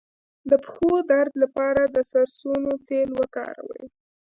د پښو درد لپاره د سرسونو تېل وکاروئ